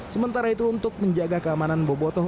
sementara itu untuk menjaga keamanan bobotoh